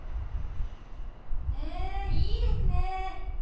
へえいいですね。